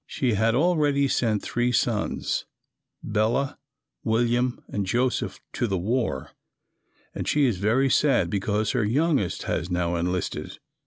She had already sent three sons, Bela, William and Joseph, to the war and she is very sad because her youngest has now enlisted.